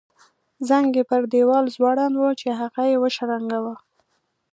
زنګ یې پر دیوال ځوړند وو چې هغه یې وشرنګاوه.